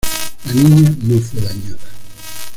La niña no fue dañada.